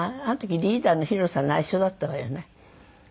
あの時リーダーのＨＩＲＯさんに内緒だったわよね。